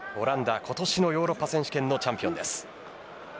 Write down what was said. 今年のヨーロッパ選手権のチャンピオンです。